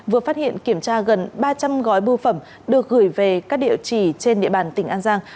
vừa phát hiện kiểm tra gần ba trăm linh gói bưu phẩm được gửi về các địa chỉ trên địa bàn tỉnh an giang